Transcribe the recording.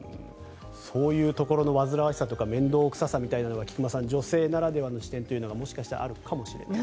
そういうところの煩わしさというか面倒臭さみたいなのが菊間さん、女性ならではの視点というのがあるかもしれない。